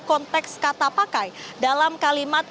konteks kata pakai dalam kalimat